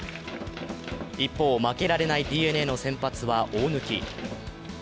一方、負けられないＤｅＮＡの先発は大貫。